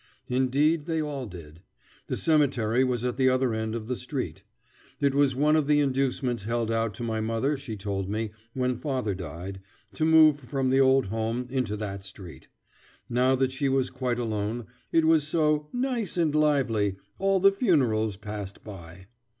Indeed they all did. The cemetery was at the other end of the street. It was one of the inducements held out to my mother she told me, when father died, to move from the old home into that street. Now that she was quite alone, it was so "nice and lively; all the funerals passed by."